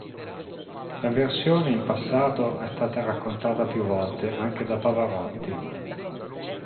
La versione in passato è stata raccontata più volte anche da Pavarotti.